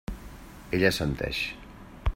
Ell assenteix.